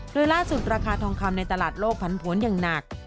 โดยล่าสุดราคาทองคำในตลาดโลกผันผลอย่างหนัก